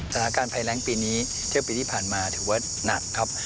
สถานการณ์ภัยแรงปีนี้เทียบปีที่ผ่านมาถือว่าหนักครับ